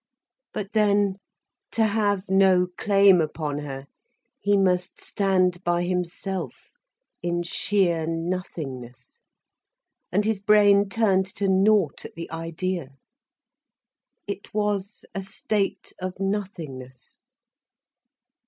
But then, to have no claim upon her, he must stand by himself, in sheer nothingness. And his brain turned to nought at the idea. It was a state of nothingness.